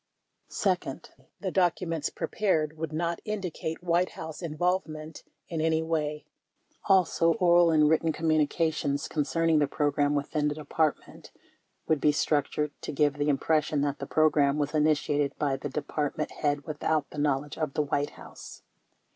Second, the documents prepared would not indicate White House involvement in any way. Also, oral and written com munications concerning the program within the Department would be structured to give the impression that the program was initiated by the Department head without the knowledge of the White House.